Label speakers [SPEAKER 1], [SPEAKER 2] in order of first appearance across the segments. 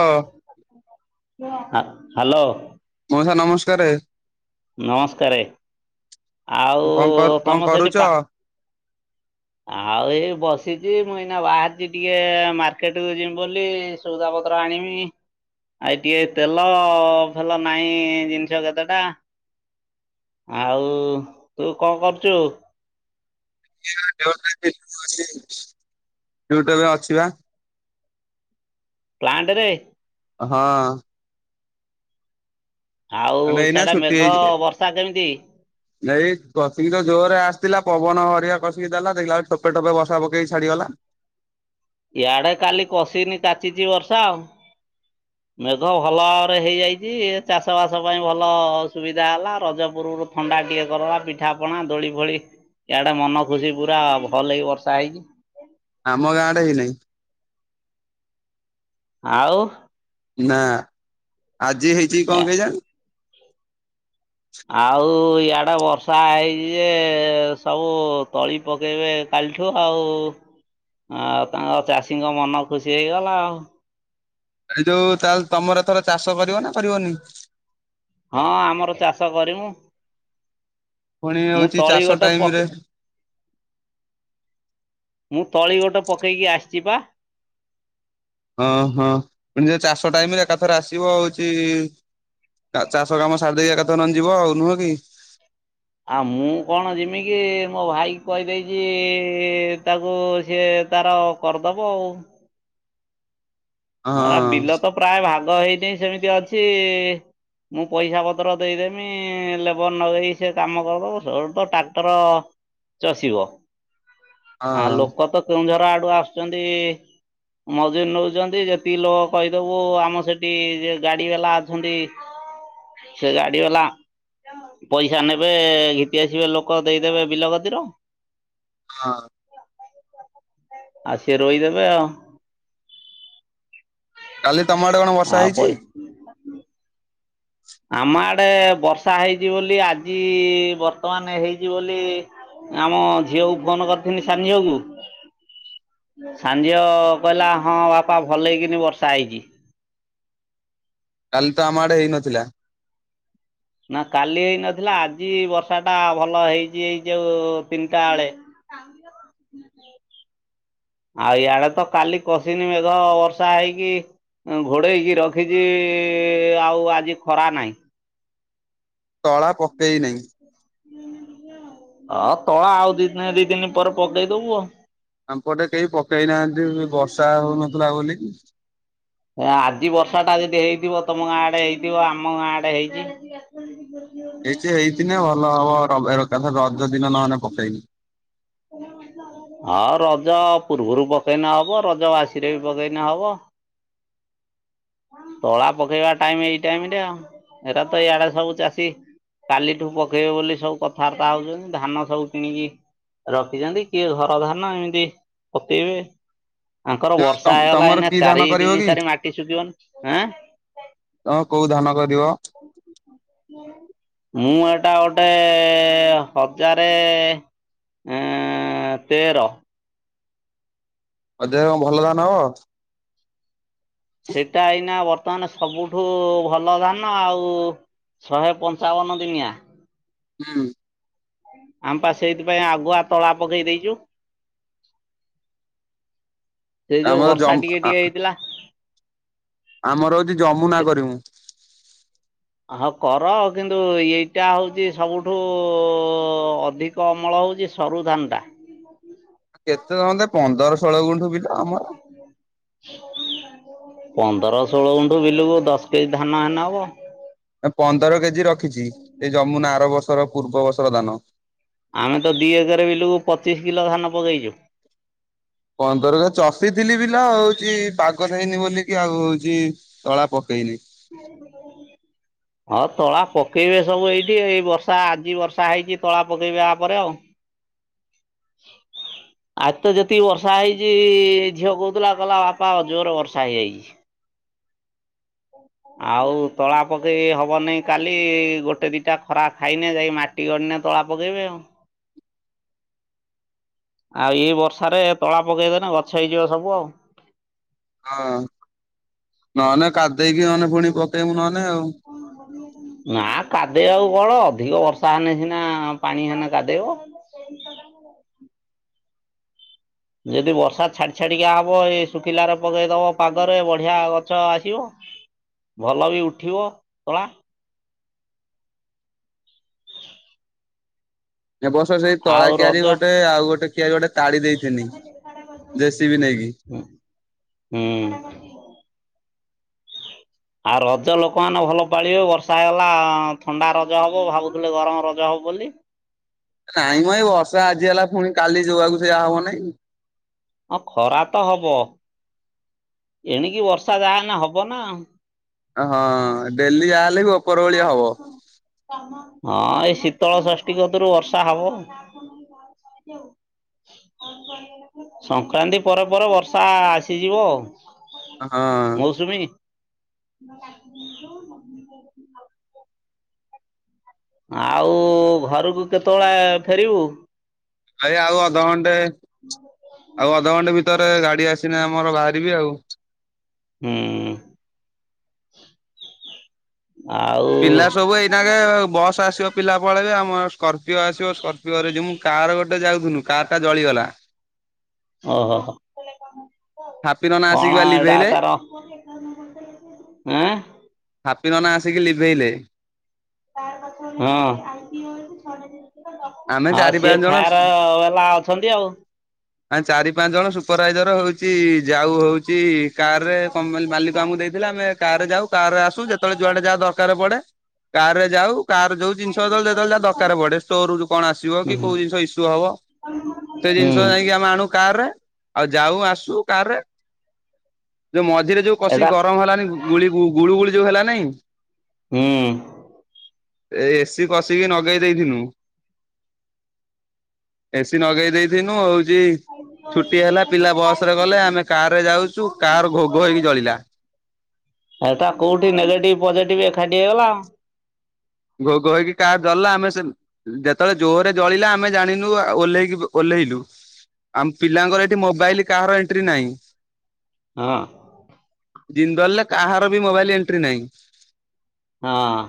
[SPEAKER 1] ହଁ।
[SPEAKER 2] ହା ହାଲୋ।
[SPEAKER 1] ମୋଉସା ନମସ୍କାରେ।
[SPEAKER 2] ନମସ୍କାରେ ଆଉ
[SPEAKER 1] କଣ କର କଣ
[SPEAKER 2] ତମ ସେଠି
[SPEAKER 1] କରୁଛ?
[SPEAKER 2] ପା ଆଉ ଏଇ ବସିଚି ମୁଁ ଏଇନା ବାହାରିଚି ଟିକେ ମାର୍କେଟକୁୁ ଯିମି ବୋଲି‌ ସୋଉଦା ପତ୍ର ଆଣିମି। ଆଇ ଟିକେ ତେଲ ଫେଲ ନାହିଁ ଜିନିଷ କେତେଟା। ଆଉ ତୁ କଣ କରୁଚୁ?
[SPEAKER 1] [unintelligible] ଡିଉଟିଏବେ ଅଛିିବା।
[SPEAKER 2] ପ୍ଲାଣ୍ଟେରେ।
[SPEAKER 1] ହଁ।
[SPEAKER 2] ଆଉ
[SPEAKER 1] ଏଇନା
[SPEAKER 2] ସିଆଡ଼େ
[SPEAKER 1] ଛୁଟି
[SPEAKER 2] ମେଘ
[SPEAKER 1] ହେଇଛି।
[SPEAKER 2] ବର୍ଷା କେମିତି?
[SPEAKER 1] ଏଇ କସିକିତ ଜୋରେ ଆସିଥିଲା ପବନ ହରିକା କସିକି ଦେଲା ଦେଖିଲା ବେଳକୁ ଟୋପେ ଟୋପେ ବର୍ଷା ପକେଇ ଛାଡ଼ିଗଲା।
[SPEAKER 2] ଇଆଡ଼େ କାଲି କଷିକିନି କାଚିଚି ବର୍ଷା ଆଉ। ମେଘ ଭଲଭାବରେ ହେଇଯାଇଚି ଚାଷ ବାସ ପାଇଁ ଭଲ ସୁବିଧା ହେଲା ରଜପୂର୍ବରୁ ଥଣ୍ଡା ଟିକେ କରିଦେଲା ପିଠାପଣା ଦୋଳି ଫଳି ଇଆଡ଼େ ମନ ଖୁସିପୁରା ଭଲ‌କି ବର୍ଷା ହେଇଚି।
[SPEAKER 1] ଆମ ଗାଁ ଆଡ଼େ ହେଇନେହିଁ।
[SPEAKER 2] ଆଉ।
[SPEAKER 1] ନା ଆଜି ହେଇଚିକି କଣ କେଜାଣି?
[SPEAKER 2] ଆଉ ଇଆଡ଼େ ବର୍ଷା ହେଇଚିଯେ ସବୁ ତଳି ପକେଇବେ କାଲିଠୁ ଆଉ ଆଉ ତାଙ୍କ ଚାଷୀଙ୍କ ମନ ଖୁସି ହେଇଗଲା ଆଉ।
[SPEAKER 1] ଏଇଯୋଉ ତାହେଲେ ତମରଏଥର ଚାଷ କରିବନା କରିବନି?
[SPEAKER 2] ହଁ ଆମର ଚାଷ କରିମୁ
[SPEAKER 1] ପୁଣି ହଉଛି
[SPEAKER 2] ମୁତଳି
[SPEAKER 1] ଚାଷ
[SPEAKER 2] ଗୋଟେ
[SPEAKER 1] ଟାଇମ ରେ
[SPEAKER 2] ପକେ ମୁତଳି ଗୋଟେ ପକେଇକି ଆସିଚିପା।
[SPEAKER 1] ଅଁ ହଁ ପୁଣିଯେ ଚାଷ ଟାଇମିରେ ଏକାଥରେ ଆସିବ ହଉଚି ଆ ଚାଷ କାମ ସାରିଦେଇ ଏକାଥରେ ନହେନେ ଯିବ ଆଉ ନୁହକି?
[SPEAKER 2] ଆଉ ମୁକଣ ଯିମିକିି ମୋ ଭାଇକୁ କହିଦେଇଚି ତାକୁ ସିଏ ତାର କରିଦବ ଆଉ।
[SPEAKER 1] ହଁ
[SPEAKER 2] ହେରା ବିଲତ ପ୍ରାୟ ଭାଗ ହେଇନି ସେମିତି ଅଛି--‌ ମୁଁ ପଇସା ପତ୍ର ଦେଇଦେମି ଲେବର ନଗେଇ ସେକାମ କରିଦବ ସେଉଠୁତ ଟ୍ରାକ୍ଟର ଚଷିବ।
[SPEAKER 1] ହଁ
[SPEAKER 2] ଆ ଲୋକତ କେଉଁଝର ଆଡ଼ୁ ଆସୁଚନ୍ତି ମଜୁରି ନେଉଚନ୍ତି ଯେତେ ତିଲୋକ କହିଦବୁ ଆମ ସେଠି ଯୋଗାଡ଼ି ବାଲା ଅଛନ୍ତି। ସେ ଗାଡ଼ି ବାଲା ପଇସା ନେବେ ଘିତି ଆସିବେ ଲୋକ ଦେଇଦେବେ ବିଲ କତିର।
[SPEAKER 1] ହଁ।
[SPEAKER 2] ଆଉ ସିଏ ରୋଇଦେବେ ଆଉ।
[SPEAKER 1] କାଲି ତମଆଡ଼େ କଣ ବର୍ଷା
[SPEAKER 2] ଆଁ
[SPEAKER 1] ହେଇଛି?
[SPEAKER 2] ପଇ ଆମ ଆଡ଼େ ବର୍ଷା ହେଇଚି ବୋଲି ଆଜି ବର୍ତ୍ତମାନ ହେଇଚି ବୋଲି ଆମ ଝିଅକୁ ଫୋନ୍ କରିଥିନି ସାନଝୀଅକୁ ସାନ ଝିଅ କହିଲା ହଁବାପା ଭଲ କିନି ବର୍ଷା ହେଇଚି।
[SPEAKER 1] କାଲିତ ଆମ ଆଡ଼େ ହେଇନଥିଲା।
[SPEAKER 2] ନା କାଲି ହେଇନଥିଲା ଆଜି ବର୍ଷାଟା ଭଲ ହେଇଚି ଏଇ ଯୋଉ ତିନିଟା ବେଳେ। [unintelligible] ଆଉ ଇଆଡ଼େତ କାଲି କଷିନି ମେଘ ବର୍ଷା ହେଇକି ଘୋଡ଼େଇକି ରଖିଚି ଆଉ ଆଜି ଖରା ନାହିଁ।
[SPEAKER 1] ତଳା ପକେଇ ନେହି।
[SPEAKER 2] ହଁ ତଳା ଆଉ ଦିନେ ଦିଦିନି ପରେ ପକେଇଦବୁ ଆଉ।
[SPEAKER 1] ଆମପଟେ କେହି ପକେଇ ନାହାନ୍ତି ବର୍ଷା ହଉନଥିଲା ବୋଲି।
[SPEAKER 2] ଆଜି ବର୍ଷାଟା ଯଦି ହେଇଥିବ ତମ ଗାଁଆଡ଼େ ହେଇଥିବ ଆମ ଗାଁଆଡ଼େ ହେଇଚି।
[SPEAKER 1] ହେଇଚେ ହେଇଥିନେ ଭଲ ହବ ଏକାଥରେ ରଜ ଦିନ ନହେନେ ପକେଇମି।
[SPEAKER 2] ହେଲୋ ଆସ। ହଁ ରଜ ପୂର୍ବରୁ ପକେଇନେ ହବ ରଜ ବାସିରେ ବି ପକେଇନେ ହବ। ତଳା ପକେଇବା ଟାଇମ୍ ଏଇ ଟାଇମ୍ ରେ ଆଉ ହେରା ତ ଇଆଡ଼େ ସବୁ ଚାଷୀ କାଲିଠୁ ପକେଇବେ ବୋଲି ସବୁ କଥାବାର୍ତ୍ତା ହଉଚନ୍ତି ଧାନ ସବୁ କିଣିକି ରଖିଚନ୍ତି କିଏ ଧାନ ଏମିତି ପକଇବେ। ଆଙ୍କର ବର୍ଷା
[SPEAKER 1] ଯୋଉ
[SPEAKER 2] ହେଇଗଲା
[SPEAKER 1] ତମର
[SPEAKER 2] ଏଇନା
[SPEAKER 1] କି ଧାନ
[SPEAKER 2] ଚାରି
[SPEAKER 1] କରିବ
[SPEAKER 2] ଦିନି
[SPEAKER 1] କି?
[SPEAKER 2] ସାରି ମାଟି ଶୁଖିବନି। ଆଁ?
[SPEAKER 1] ତମେ କୋଉ ଧାନ କରିବ?
[SPEAKER 2] ମୁଁ ଏଟା ଗୋଟେ ହଜାରେ ଏଁ ତେର।
[SPEAKER 1] ଅଧିଆ ଅଁ ଭଲ ଧାନ ହବ?
[SPEAKER 2] ସେଟା ଏଇନା ବର୍ ତମାନେ ସବୁଠୁ ଭଲ ଧାନ ଆଉ ଶହେ ପଞ୍ଚାବନ ଦିନିଆ।
[SPEAKER 1] ହୁଁ।
[SPEAKER 2] ଆମେ ପା ସେଇଥିପାଇଁ ଆଗୁଆ ତଳା ପକେଇ ଦେଇଚୁ। ସେ ଯୋଉ
[SPEAKER 1] ଆମର ଜମ
[SPEAKER 2] ବର୍ଷା ଟିକେ ଟିକେ ହେଇଥିଲା।
[SPEAKER 1] ଆମର ହଉଚି ଯମୁନା
[SPEAKER 2] ସେ
[SPEAKER 1] କରିମୁୁ।
[SPEAKER 2] ହଁ କର କିନ୍ତୁ ଏଇଟା ହଉଚି ସବୁଠୁ ଅଧି କ ଅମଳ ହଉଚି ସରୁ ଧାନଟା।
[SPEAKER 1] କେତେ ସମଦାଏ ପନ୍ଦର ଷୋଳ ଗୁଣ୍ଠୁ ବିଲ ଆମର।
[SPEAKER 2] ପନ୍ଦର ଷୋଳ ଗୁଣ୍ଠୁ ବିଲୁକୁ ଦଶ କେଜି ଧାନ ହେନେ ହବ।
[SPEAKER 1] ଏ ପନ୍ଦର କେଜି ରଖିଚି ଏଇ ଯମୁନା ଆର ବର୍ଷର ପୂର୍ବ ବର୍ଷର ଧାନ।
[SPEAKER 2] ଆମେ ତ ଦି ଏକେରେ ବିଲୁକୁ ପଚିଶ କିଲୋ ଧାନ ପକେଇଚୁ।
[SPEAKER 1] ପନ୍ଦରକା ଚଷିଥିଲି ବିଲା ହଉଚି ପାଗ ଦେଇନି ବୋଲିକି ଆଉ ହଉଚି ତଳା ପକେଇନେଇ।
[SPEAKER 2] ହିଆଳେ ବିଲଟା [unintelligible] ହଁ ତଳା ପକେଇବେ ସବୁ ଏଇଠି ଏଇ ବର୍ଷା ଆଜି ବର୍ଷା ହେଇଚି ତଳା ପକେଇବେ ଆପରେ ଆଉ। ଆଜି ତ ଯେତିକି ବର୍ଷା ହେଇଚି ଝିଅ କହୁଥୁଲା କହିଲା ବାପା ଜୋରେ ବର୍ଷା ହେଇଯାଇଚି। ଆଉ ତଳା ପକେଇ ହବନେଇ କାଲି ଗୋଟେ ଦିଟା ଖରା ଖାଇନେ ଯାଇ ମା ଟି ଗଡ଼ିନେ ତଳା ପକାଇବେ ଆଉ। ଆଉ ଏ ବର୍ଷାରେ ତଳା ପକେଇଦେନ ଗଛ ହେଇଯିବ ସବୁ ଆଉ।
[SPEAKER 1] ହଁ ନହେନେ କାଦେଇକି ହନେ ପୁଣି ପକେଇବୁ ନହେନେ ଆଉ।
[SPEAKER 2] କଣ ବଡ଼ି ଆଡ଼ ନାଁ କାଦେଇବାକୁ ବଳ ଅଧିକ ବର୍ଷା ହେନେ ସିନା ପାଣି ହେନେ କାଦେଇବ। ଯେଦି ବର୍ଷା ଛାଡ଼ି ଛାଡି଼କା ହବ ଏ ଶୁଖିଲାରେ ପକେଇଦବ ପାଗରେ ବଢ଼ିଆ ଗଛ ଆସିବ। ଭଲ ବି ଉଠିବ ତଳା।
[SPEAKER 1] ଏ ବର୍ଷ ସେଇ ତଳା
[SPEAKER 2] ଆଉ
[SPEAKER 1] କିଆରି
[SPEAKER 2] ରଜ
[SPEAKER 1] ଗୋଟେ ଆଉ ଗୋଟେ କିଆରି ଗୋଟେ ତାଡ଼ି ଦେଇଥିନି। ଦେ ଶି ପି ନେଇକି।
[SPEAKER 2] ହୁଁ। ଆଉ ରଜ ଲୋକମାନେ ଭଲ ପାଳିବେ ବର୍ଷା ହେଇଗଲା ଥଣ୍ଡା ରଜ ହବ ଭାବୁ ଥୁଲେ ଗରମ ରଜ ହବ ବୋଲି।
[SPEAKER 1] କାଇଁ ମ ଏଇ ବର୍ଷା ଆଜି ହେଲା ଫୁଣି କାଲି ଯୋଉଆକୁ ସେଇଆ ହବନେଇଁ।
[SPEAKER 2] ହଁ ଖରା ତ ହବ। ଏଣିକି ବର୍ଷା ଯାହେନେ ହବ ନାଁ।
[SPEAKER 1] ଏ ହଁ ଡେଲି ଆ ହେଲେ ବି ଓପର ଓଳି ହବ।
[SPEAKER 2] ହଁ ଏଇ ଶୀତଳ ଷଷ୍ଠୀ କତୁରୁ ବର୍ଷା ହବ। ସଂକ୍ରାନ୍ତି ପରେ ପରେ ବର୍ଷା ଆସିଯିବ।
[SPEAKER 1] ହଁ।
[SPEAKER 2] ମୌସୁମୀ। ଆଉ ଘରୁକୁ କେତୋଳେ ଫେରିବୁ?
[SPEAKER 1] ଏଇ ଆଉ ଅଧଘଣ୍ଟେ ଆଉ ଅଧଘଣ୍ଟେ ଭିତରେ ଗାଡ଼ି ଆସିନେ ଆମର ବାହାରିବି ଆଉ।
[SPEAKER 2] ହୁଁ। ଆଉ
[SPEAKER 1] ପିଲା ସବୁ ଏଇନାକେ ବସ ଆସିବ ପିଲା ପଳେଇବେ ଆମ କର ପିଓ ଆସିବ ସ୍କର୍ପିଓରେ ଯିମୁଁ କାର୍ ଗୋଟେ ଯାଉଥିଲୁ କାରଟା ଜଳିଗଲା।
[SPEAKER 2] ଓହୋ ହ।
[SPEAKER 1] ହାପି ନନା ଆସିକି
[SPEAKER 2] କଣ
[SPEAKER 1] ବା
[SPEAKER 2] ଏଟା
[SPEAKER 1] ଲିଭେଇଲେ।
[SPEAKER 2] ତାର ଆଁ?
[SPEAKER 1] ହାପି ନନା ଆସିକି ଲିଭେଇଲେ।
[SPEAKER 2] ହଁ। ଆଉ
[SPEAKER 1] ଆମେ ଚାରି
[SPEAKER 2] ସିଏ
[SPEAKER 1] ପାଞ୍ଚ ଜଣ
[SPEAKER 2] ଫାୟାର ବାଲା ଅଛନ୍ତି ଆଉ।
[SPEAKER 1] ଆମେ ଚାରି ପାଞ୍ଚ ଜଣ ସୁପରଭାଇଜର ହୋଉଛି ଯାଉ ହୋଉ ଚି କାରରେ କମ ମା ମାଲିକ ଆମକୁ ଦେଇଥିଲା ଆମେ କାରରେ ଯାଉ କାରରେ ଆସୁ ଯେତୋଳେ ଯୁଆଡେ ଯାହା ଦରକାର ପଡେ କାରରେ ଯାଉ କାର ଯୋଉ ଜିନିଷ ପାତ୍ର ଯେତୋଳେ ଯାହା ଦରକାର ପଡେ ଷ୍ଟୋରରୁ ଯୋଉ ଆସିବ
[SPEAKER 2] ହୁଁ
[SPEAKER 1] କି କୋଉ ଜିନଷ ଇଶୁ ହବ ସେ
[SPEAKER 2] ହୁଁ
[SPEAKER 1] ଜିନିଷ ଯାଇକି ଆମେ ଆଣୁ କାରରେ ଆଉ ଯାଉ ଆସୁ କାରରେ ଯୋଉ ମଝିରେ ଯୋଉ
[SPEAKER 2] ଏଟା
[SPEAKER 1] କଷିକି ଗରମ ହେଲାନି ଗୁଳି ଗୁଳୁ ଗୁଳି ଯୋଉ ହେଲାନେଇ
[SPEAKER 2] ହୁଁ।
[SPEAKER 1] ଏ ଏ ସିି କଷିକି ନଗେଇ ଦେଇଥିନୁ। ଏ ସିି ନଗେଇ ଦେଇଥିନୁ ହୋଉଚି ଛୁଟି ହେଲା ପିଲା ବସରେ ଗଲେ ଆମେ କାରରେ ଯାଉଚୁ କାର ଘୋ ଘୋ ହେଇକି ଜଳିଲା।
[SPEAKER 2] ଏଟା କୋଉଠି ନେଗେଟିଭ ପଜିଟିଭ ଏକାଠି ହେଇଗଲା।
[SPEAKER 1] ଘୋ ଘୋ ହେଇକି କାର ଜଳିଲା ଆମେ ସେ ଯେତୋଳେ ଜୋରରେ ଜଳିଲା ଆମେ ଜାଣିନୁ ଆ ଓହ୍ଲେଇକି ଓହ୍ଲେଇଲୁ। ଆମ ପିଲାଙ୍କର ଏଠି ମୋବାଇଲ କାହାର ଏନ୍ ଏଣ୍ଟ୍ରି ନାଇଁ
[SPEAKER 2] ହଁ
[SPEAKER 1] ଜିନ୍ଦଲରେ କାହାର ବି ମୋବାଇଲ ଏଣ୍ଟ୍ରି ନାହିଁ।
[SPEAKER 2] ହଁ।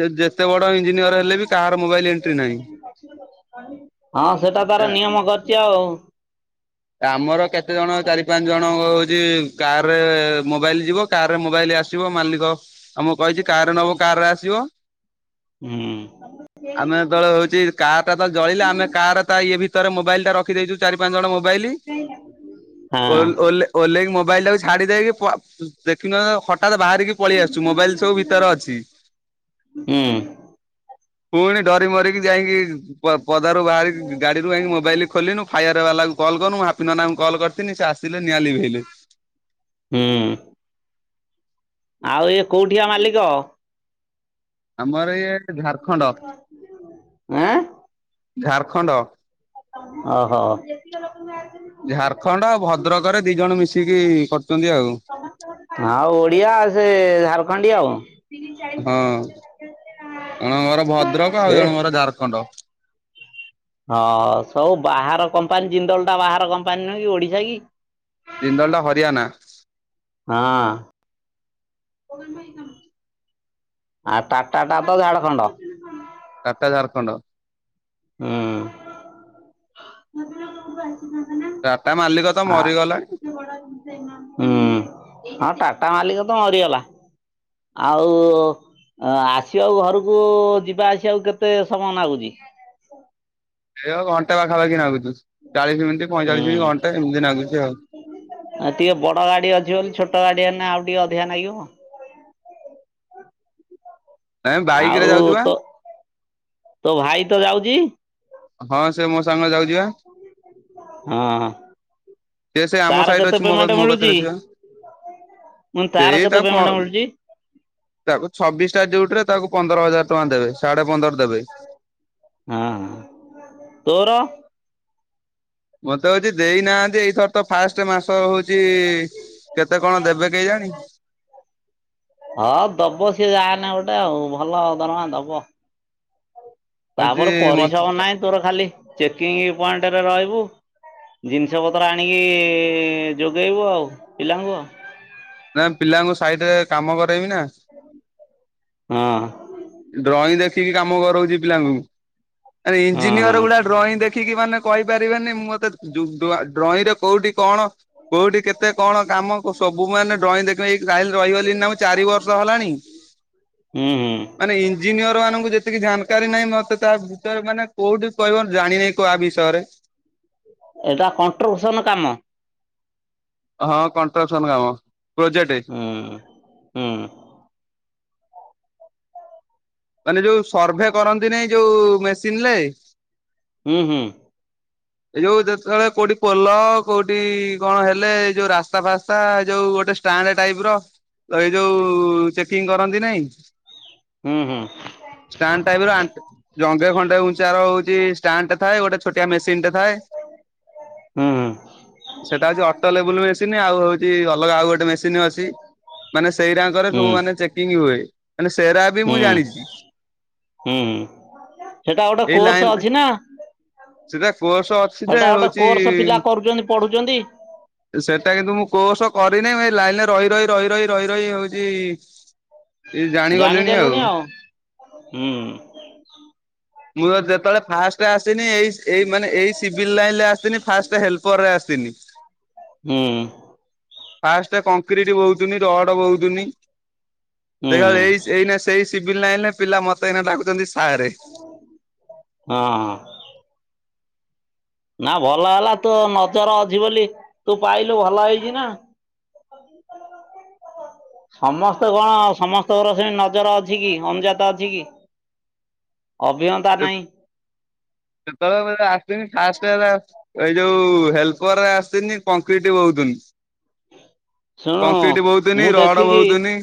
[SPEAKER 1] ଯେ ଯେତେ ବଡ ଇଞ୍ଜିନିୟର ହେଲେ ବି କାହାର ମୋବାଇଲ ଏଣ୍ଟ୍ରି ନାହିଁ।
[SPEAKER 2] ହଁ ସେଟା ତାର ନିୟମ କରିଛି ଆଉ।
[SPEAKER 1] ଆମର କେତେ ଜଣ ଚାରି ପାଞ୍ଚ ଜଣଙ୍କ ହୋଉଛି କାରରେ ମୋବାଇଲ ଯିବ। କାରରେ ମୋବାଇଲ ଆସିବ ମାଲିକ ଆମକୁ କହିଛି କାରରେ ନବ କାରରେ ଆସିବ।
[SPEAKER 2] ହୁଁ।
[SPEAKER 1] ଆମେ ତଳେ ହୋଉଛି କାରଟା ଯେତଳେ ଜଳିଲେ ଆମ କାର ତା ଇଏ ଭିତରେ ମୋବାଇଲଟା ରଖିଦେଇଛୁ ଚାରି ପାଞ୍ଚ ଜଣ ମୋ ପାଇଲି
[SPEAKER 2] ହଁ
[SPEAKER 1] ଓଲ୍ ଓଲେ ଓହ୍ଲେଇକି ମୋବାଇଲ ଟାକୁ ଛାଡ଼ି ଦେଇକି ପ ଦେଖିନ ହଠାତ ବାହାରିକି ପଳେଇ ଆସୁଛୁ ମୋବାଇଲ ସବୁ ଭିତରେ ଅଛି।
[SPEAKER 2] ହୁଁ।
[SPEAKER 1] ପୁଣି ଡରି ମରିକି ଯାଇକି ପ-ପଦାରୁ ବାହାରିକି ଗାଡିରୁ ଯାଇକି ମୋବାଇଲ ଖୋଲିନୁ। ଫାୟାର ବାଲା କୁ କଲ କନୁ ମୁଁ ହାପି ନନାଙ୍କୁ କଲ୍ କରିଥିଲି ସେ ଆସିଲେ ନିଆଁ ଲିଭେଇଲେ।
[SPEAKER 2] ହୁଁ। ଆଉ ଇଏ କୋଉଠିଆ ମାଲିକ?
[SPEAKER 1] ଆମର ଇଏ ଝାରଖଣ୍ଡ
[SPEAKER 2] ଆଁ
[SPEAKER 1] ଝାରଖଣ୍ଡ।
[SPEAKER 2] ଅହ।
[SPEAKER 1] ଝାରଖଣ୍ଡ ଆଉ ଭଦ୍ରକ ରେ ଦି ଜଣ ମିଶିକି କରୁଛନ୍ତି ଆଉ।
[SPEAKER 2] ଆଉ ଓଡିଆ ସେ ଝାରଖଣ୍ଡି ଆଉ।
[SPEAKER 1] ହଁ। ଜଣଙ୍କ ଘର ଭଦ୍ରକ
[SPEAKER 2] ସେ
[SPEAKER 1] ଆଉ ଜଣଙ୍କ ଘର ଝାରଖଣ୍ଡ।
[SPEAKER 2] ହଁ ସବୁ ବାହାର କମ୍ପାନୀ ଜିନ୍ଦଲ ଟା ବାହାର କମ୍ପାନୀ ନୁହେଁ କି ଓଡିଶା କି?
[SPEAKER 1] ଜିନ୍ଦଲ ଟା ହରିୟାନା।
[SPEAKER 2] ହଁ। ଆ, ଟାଟା ଟା ତ ଝାଡଖଣ୍ଡ।
[SPEAKER 1] ଟାଟା ଝାରଖଣ୍ଡ।
[SPEAKER 2] ହୁଁ।
[SPEAKER 1] ଟାଟା ମାଲିକ ତ ମରିଗଲାଣି।
[SPEAKER 2] ହୁଁ, ହଁ ଟାଟା ମାଲିକ ତ ମରିଗଲା। ଆଉ ଅ, ଆସିବାକୁ ଘରକୁ ଯିବା ଆସିବାକୁ କେତେ ସମୟ ନାଗୁଚି?
[SPEAKER 1] ଏୟ ଘଣ୍ଟେ ପାଖାପାଖି ନାଗୁଚୁ, ଚାଳିଶ ମିନଟି ପଇଁଚାଳିଶି ଘଣ୍ଟେ ଏମିତି ନାଗୁଛି ଆଉ।
[SPEAKER 2] ଅ, ଟିକେ ବଡ ଗାଡି ଅଛି ବୋଲି ଛୋଟ ଗାଡି ହେନେ ଆଉ ଟିକେ ଅଧିକା ନାଗିବ।
[SPEAKER 1] ନାଇଁ ବାଇକ ରେ
[SPEAKER 2] ଆଉ
[SPEAKER 1] ଯାଉଛୁ ବା
[SPEAKER 2] ତୋ ତୋ ଭାଇ ତ ଯାଉଚି?
[SPEAKER 1] ହଁ ସେ ମୋ ସାଙ୍ଗରେ ଯାଉଚି ବା।
[SPEAKER 2] ହଁ।
[SPEAKER 1] ସେ ସେ ଆମ
[SPEAKER 2] ତାର
[SPEAKER 1] ସାଇଡ
[SPEAKER 2] କେତେ
[SPEAKER 1] ଅଛି ମୋ
[SPEAKER 2] ପେମେଣ୍ଟ
[SPEAKER 1] ମୋ
[SPEAKER 2] ମିଳୁଚି?
[SPEAKER 1] କତିରେ ଅଛି ବା।
[SPEAKER 2] ମୁଁ କହିନି ତାର
[SPEAKER 1] ସେଇ
[SPEAKER 2] କେତେ
[SPEAKER 1] ତାକୁ
[SPEAKER 2] ପେମେଣ୍ଟ ମିଳୁଚି?
[SPEAKER 1] ତାକୁ ଛବିଶଟା ଡିଉଟି ରେ ତାକୁ ପନ୍ଦର ହଜାର ଟଙ୍କା ଦେବେ ସାଢେ ପନ୍ଦର ଦେବେ।
[SPEAKER 2] ହଁ, ତୋର?
[SPEAKER 1] ମୋତେ ହଉଛି ଦେଇନାହାନ୍ତି, ଏଇଥର ତ ଫାଷ୍ଟ ମାସ ହଉଚି। କେତେ କଣ ଦେବେ କେଜାଣି।
[SPEAKER 2] ହଁ ଦବ ସିଏ ଯା ହେନେ ଗୋଟେ ଆଉ ଭଲ ଦରମା ଦବ।
[SPEAKER 1] ହଉଛି
[SPEAKER 2] ତାପରେ
[SPEAKER 1] ମତେ
[SPEAKER 2] ପରିଶ୍ରମ ନାହିଁ ତୋର ଖାଲି ଚେକିଂ ପଏଣ୍ଟରେ ରହିବୁ। ଜିନିଷ ପତ୍ର ଆଣିକି ଯୋଗେଇବୁ ଆଉ ପିଲାଙ୍କୁ।
[SPEAKER 1] ନା ପିଲାଙ୍କୁ ସାଇଡ୍ ରେ କାମ କରେଇମି ନା।
[SPEAKER 2] ହଁ।
[SPEAKER 1] ଡ୍ରଇଂ ଦେଖିକି କାମ କରଉଚି ପିଲାଙ୍କୁ, ମାନେ
[SPEAKER 2] ହଁ ହଁ
[SPEAKER 1] ଇଞ୍ଜିନିୟର୍ ଗୁଡା ଡ୍ରଇଂ ଦେଖିକି ମାନେ କହିପାରିବେନି ମୋତେ ଜୁ-ଡୁଆ ଡ୍ରଇଁ ରେ କୋଉଠି କଣ କୋଉଠି କେତେ କଣ କାମ ସବୁ ମାନେ ଡ୍ରଇଁ ଦେଖଇ [unintelligible] ରହିଗଲି ନା ମୁଁ ଚାରି ବର୍ଷ ହେଲାଣି।
[SPEAKER 2] ହୁଁ, ହୁଁ।
[SPEAKER 1] ମାନେ ଇଞ୍ଜିନିୟର୍ ମାନଙ୍କୁ ଯେତିକି ଜାନକାରୀ ନାହିଁ, ମୋତେ ତା ଭିତରେ ମାନେ କୋଉଠି କହିବ ଜାଣି ନାହିଁ କୁହ ଆ ବିଷୟରେ।
[SPEAKER 2] ଏଇଟା କଣ୍ଟ୍ରଭୁସନ କାମ।
[SPEAKER 1] ହଁ କଣ୍ଟ୍ରକ୍ସନ୍ କାମ ପ୍ରୋଜେଟେ।
[SPEAKER 2] ହୁଁ। ହୁଁ।
[SPEAKER 1] ମାନେ ଯୋଉ ସର୍ଭେ କରନ୍ତି ନାଇଁ ଯୋଉ ମେସିନ୍ ରେ
[SPEAKER 2] ହୁଁ, ହୁଁ।
[SPEAKER 1] ଏଇ ଯୋଉ ଯେତେବେଳେ କୋଉଠି ପୋଲ କୋଉଠି କଣ ହେଲେ ଏଇ ଯୋଉ ରାସ୍ତା ଫାସ୍ତା ଯୋଉ ଗୋଟେ ଷ୍ଟାଣ୍ଡ ଟାଇପ୍ ର ତ ଏଇ ଯୋଉ ଚେକିଂ କରନ୍ତି ନାଇଁ।
[SPEAKER 2] ହୁଁ, ହୁଁ।
[SPEAKER 1] ଷ୍ଟାଣ୍ଡ ଟାଇପ୍ ର ଆଣ୍ଟ ଜଙ୍ଘେ ଖଣ୍ଡେ ଉଞ୍ଚର ହଉଚି ଷ୍ଟାଣ୍ଡ ଟେ ଥାଏ, ଗୋଟେ ଛୋଟିଆ ମେସିନ୍ ଟେ ଥାଏ।
[SPEAKER 2] ହ
[SPEAKER 1] ସେଟା ହଉଚି ଅଟୋ ଲେବୁଲ ମେସିନ୍ ଆଉ ହଉଛି ଅଲଗା ଆଉ ଗୋଟେ ମେସିନ୍ ଅଛି। ମାନେ ସେଇରାଙ୍କର ସବୁ ମାନେ ଚେକିଂ ହୁଏ, ମାନେ ସେରା ବି
[SPEAKER 2] ହୁଁ,
[SPEAKER 1] ମୁଁ ଜାଣିଛି
[SPEAKER 2] ହୁଁ, ହୁଁ ସେଟା ଗୋଟେ କୋର୍ସ ଅଛି ନା?
[SPEAKER 1] ସେଇଟା କୋର୍ସ ଅ
[SPEAKER 2] ଏଟା ଗୋଟେ କୋର୍ସ ପିଲା କରୁଚନ୍ତି ପଢୁଚନ୍ତି।
[SPEAKER 1] ଏ ସେଟା କିନ୍ତୁ ମୁଁ କୋର୍ସ କରିନି ମୁଁ ଏ ଲାଇନ୍ ରେ ରହି ରହି ରହି ରହି ରହି ରହି ହଉଚି
[SPEAKER 2] [inaudible]
[SPEAKER 1] ଏଇ ଜାଣିଗ
[SPEAKER 2] ଗେଲୁଣି ଆଉ।
[SPEAKER 1] ମୁଁ ତ ଯେତଳେ ଫାଷ୍ଟ ଆସିନି ଏଇ ଏଇ ମାନେ ଏଇ ସିଭିଲ୍ ଲାଇନ୍ ରେ ଆସିନି ଫାଷ୍ଟ ହେଲ୍ପର୍ ରେ ଆସିନି।
[SPEAKER 2] ହୁଁ।
[SPEAKER 1] ଫାଷ୍ଟ କଂକ୍ରିଟ୍ ବହୁଚନି ରଡ ବହୁଚନି
[SPEAKER 2] ହୁଁ ହୁଁ
[SPEAKER 1] [unintelligible] ଏଇ ଏଇନା ସେଇ ସିବିଲ୍ ଲାଇନ୍ ରେ ପିଲା ମତେ ଏଇନା ଡାକୁଚନ୍ତି ସାରେ।
[SPEAKER 2] ହଁ-ହଁ। ନା ଭଲ ହେଲା ତୋ ନଜର ଅଛି ବୋଲି ତୁ ପାଇଲୁ ଭଲ ହେଇଚି ନା। ସମସ୍ତେ କଣ ସମସ୍ତଙ୍କର ସେମିତି ନଜର ଅଛି କି, ଅନୁଜାତ ଅଛି କି? ଅଭିଜ୍ଞତା ନାହିଁ।
[SPEAKER 1] ସେତଳେ ମୁଁ [unintelligible] ଆସନି ଫାଷ୍ଟ [unintelligible] ଏଇ ଯୋଉ ହେଲପର୍ ରେ ଆସିନି, କଂକ୍ରିଟ ବୋହୁଥିନି।
[SPEAKER 2] ଶୁଣୁ
[SPEAKER 1] କଂକ୍ରିଟି
[SPEAKER 2] ମୁଁ
[SPEAKER 1] ବୋହୁଥିନି ରଡ
[SPEAKER 2] ଦେଖିଛି
[SPEAKER 1] ବୋହୁଥିନି।